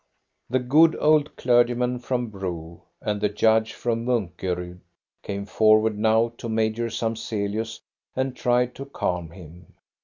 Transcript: " The good old clergyman from Bro and the judge from Munkerud came forward now to Major Samzelius and tried to calm him.